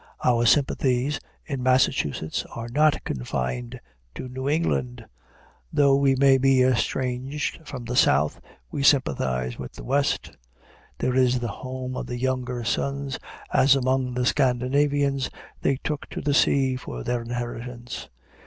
Our sympathies in Massachusetts are not confined to New England; though we may be estranged from the South, we sympathize with the West. There is the home of the younger sons, as among the Scandinavians they took to the sea for their inheritance.